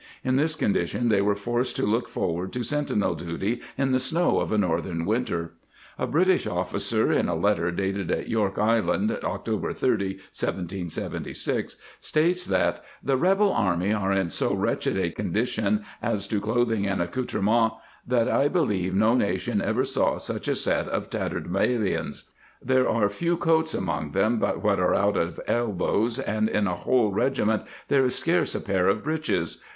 In this condition they were forced to look forward to sentinel duty in the snow of a northern winter.* A British officer, in a letter dated at York Island, October 30, 1776, states that " the Rebel army are in so wretched a con dition as to clothing and accoutrements, that I believe no nation ever saw such a set of tatter demalions. There are few coats among them but what are out at elbows and in a whole reg iment there is scarce a pair of breeches.